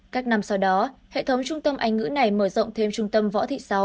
các năm sau đó hệ thống trung tâm anh ngữ này mở rộng thêm trung tâm võ thị sáu